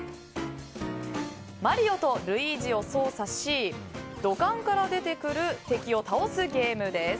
マリオとルイージを操作し土管から出てくる敵を倒すゲームです。